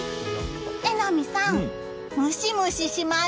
榎並さん、ムシムシします。